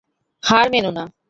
হার মেনো না।